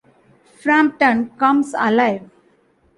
Frampton Comes Alive!